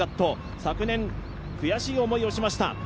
昨年、悔しい思いをしました。